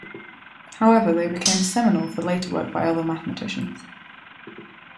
However, they became seminal for later work by other mathematicians.